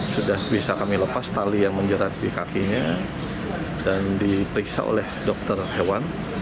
sudah bisa kami lepas tali yang menjerat di kakinya dan diperiksa oleh dokter hewan